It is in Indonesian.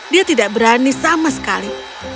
dia tidak berani sama sekali